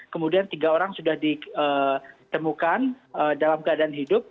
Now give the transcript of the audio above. kemudian tiga orang sudah ditemukan dalam keadaan hidup